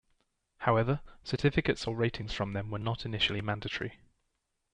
However, certificates or ratings from them were not initially mandatory.